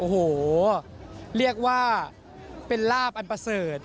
โอ้โหเรียกว่าเป็นลาบอันประเสริฐ